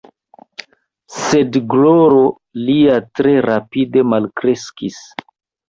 Sed gloro lia tre rapide malkreskis.